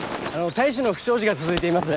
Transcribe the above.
隊士の不祥事が続いています。